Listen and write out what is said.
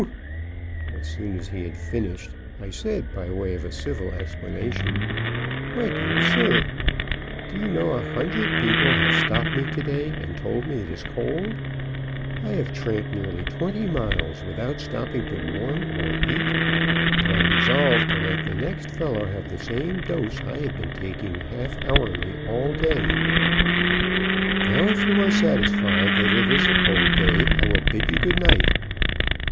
As soon as he had finished, I said, by way of civil explanation: "My dear sir, do you know, a hundred people have stopped me to day and told me it is cold. I have tramped nearly twenty miles without stopping to warm or eat; and I resolved to let the next fellow have the same dose I have been taking half hourly all day. Now, if you are satisfied that it is a cold day, I will bid you good night."